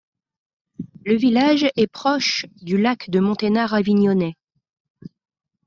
Le village est proche du Lac de Monteynard-Avignonet.